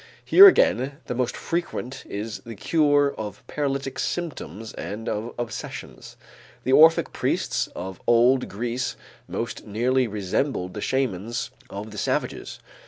Here again the most frequent is the cure of paralytic symptoms and of obsessions. The Orphic priests of old Greece most nearly resembled the shamans of the savages.